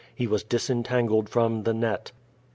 He was disentangled from the net.